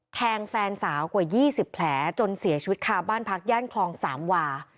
แทงแฟนสาวกว่า๒๐แผลจนเสียชีวิตคาบ้านพักย่านคลองสามวา